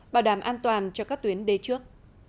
bảo đảm an toàn cho các tuyến đê trước